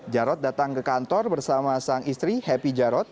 jarod datang ke kantor bersama sang istri happy jarod